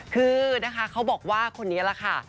คือนะคะเขาบอกว่าคนนี้แหละค่ะ